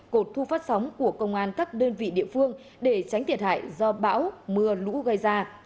cột thu phát sóng của công an các đơn vị địa phương để tránh thiệt hại do bão mưa lũ gây ra